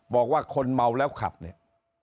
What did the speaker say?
บอกว่าคนเมาแล้วขับเนี่ย